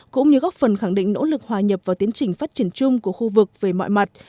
cũng như góp phần khẳng định nỗ lực hòa nhập vào tiến trình phát triển chung của khu vực về mọi mặt